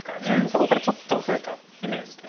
そこからちょっと増えたイメージで。